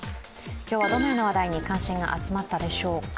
今日はどのような話題に関心が集まったでしょうか。